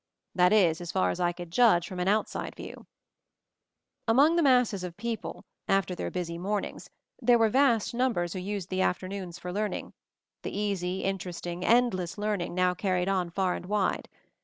That is, as far as I could judge from an outside view. Aimong the masses of people, after their busy mornings, there were vast numbers who used the afternoons for learning, the easy, interesting, endless learning now carried on far and wide.